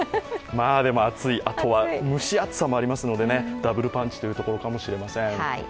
まあでも、暑い、あとは蒸し暑さもありますからダブルパンチというところかもしれません。